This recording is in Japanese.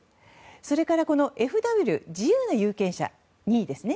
それからＦＷ自由な有権者は２位ですね。